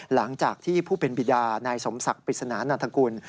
หลังจากที่ผู้เป็นบิดานายสมศักดิ์ปริศนานันทกุล